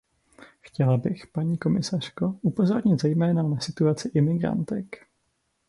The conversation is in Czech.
Chtěla bych, paní komisařko, upozornit zejména na situaci imigrantek.